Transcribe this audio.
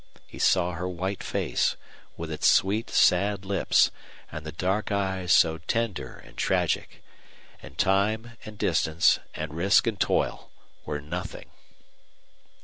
He saw her white face, with its sweet sad lips and the dark eyes so tender and tragic. And time and distance and risk and toil were nothing.